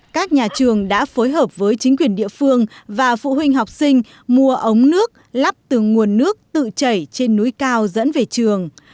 các nhà trường đã phối hợp với chính quyền địa phương và phụ huynh học sinh mua ống nước lắp từ nguồn nước tự chảy trên núi cao dẫn về trường